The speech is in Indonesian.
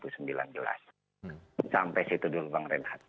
sampai situ dulu bang reinhardt